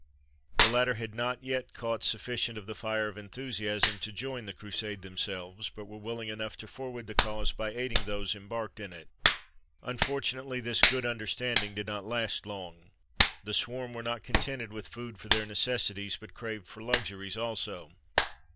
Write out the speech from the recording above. The latter had not yet caught sufficient of the fire of enthusiasm to join the Crusade themselves, but were willing enough to forward the cause by aiding those embarked in it. Unfortunately this good understanding did not last long. The swarm were not contented with food for their necessities, but craved for luxuries also.